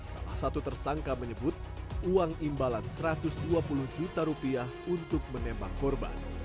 salah satu tersangka menyebut uang imbalan satu ratus dua puluh juta rupiah untuk menembak korban